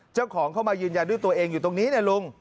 เจ้าของเข้ามายืนยันด้วยตัวเองอยู่ตรงนี้นะลุง